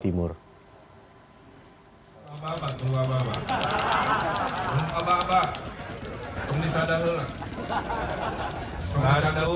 timur hai apa apa apa apa apa apa